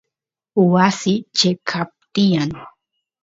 wasiy cheqap tiyan